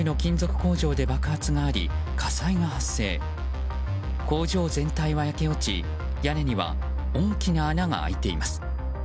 工場全体は焼け落ち屋根には大きな穴が開いています。